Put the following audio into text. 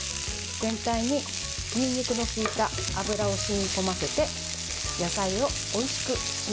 全体に、にんにくのきいた油を染み込ませて野菜をおいしくしましょう。